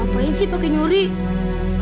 aku pasti tetap bergantung